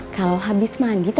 dan marah marahin saya terus